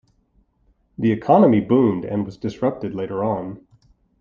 The economy boomed and was disrupted later on.